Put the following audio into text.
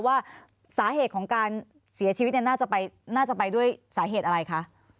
ว่าสาเหตุของการเสียชีวิตน่าจะไปด้วยสาเหตุอะไรคะ